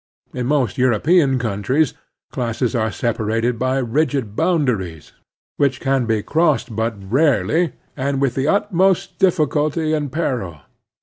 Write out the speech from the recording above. In most European cotmtries classes are separated by rigid boundaries, which can be crossed but rardy, and with the utmost difficulty and peril.